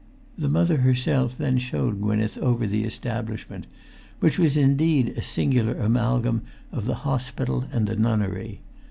The Mother herself then showed Gwynneth over the establishment, which was indeed a singular amalgam of the hospital and the nunnery.